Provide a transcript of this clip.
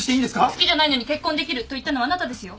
好きじゃないのに結婚できると言ったのはあなたですよ？